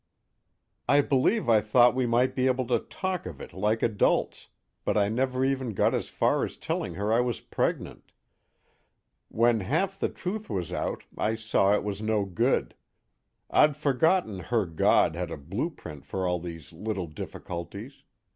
_ _I believe I thought we might be able to talk of it like adults, but I never even got as far as telling her I was pregnant. When half the truth was out I saw it was no good. I'd forgotten her God had a blueprint for all these little difficulties.